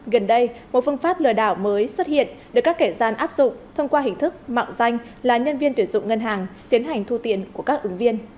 gần đây một phương pháp lừa đảo mới xuất hiện được các kẻ gian áp dụng thông qua hình thức mạo danh là nhân viên tuyển dụng ngân hàng tiến hành thu tiền của các ứng viên